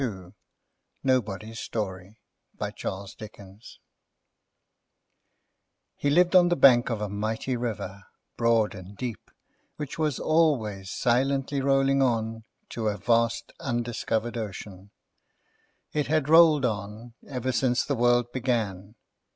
Is it? NOBODY'S STORY HE lived on the bank of a mighty river, broad and deep, which was always silently rolling on to a vast undiscovered ocean. It had rolled on, ever since the world began.